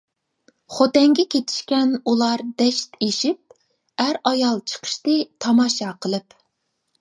خوتەنگە كېتىشكەن ئۇلار دەشت ئېشىپ، ئەر-ئايال چىقىشتى تاماشا قىلىپ.